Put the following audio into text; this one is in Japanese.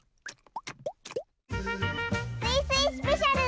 「スイスイスペシャル」！